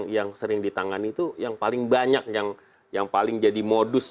yang sering ditangani itu yang paling banyak yang paling jadi modus